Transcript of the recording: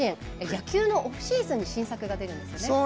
野球のオフシーズンに新作が出るんですよね。